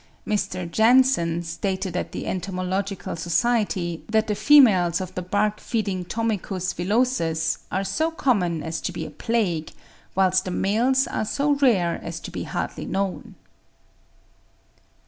Mr. Janson stated at the Entomological Society that the females of the bark feeding Tomicus villosus are so common as to be a plague, whilst the males are so rare as to be hardly known.